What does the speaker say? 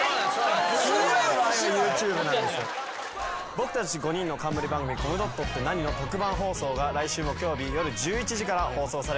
僕たち５人の冠番組『コムドットって何？』の特番放送が来週木曜日夜１１時から放送されます。